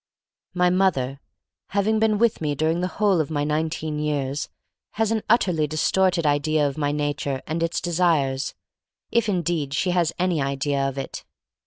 My mother, hav 8 THE STORY OF MARY MAC LANE ing been with me during the whole of my nineteen years, has an utterly dis torted idea of my nature and its de sires, if indeed she has any idea of it.